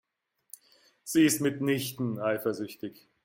Sie ist mitnichten eifersüchtig.